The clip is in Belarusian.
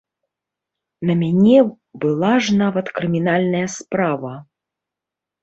На мяне была ж нават крымінальная справа!